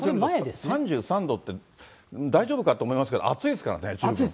３３度って、大丈夫かと思いますけど、暑いですからね、十分。